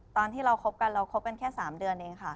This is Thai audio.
ตอนที่เราคบกันเราคบกันแค่๓เดือนเองค่ะ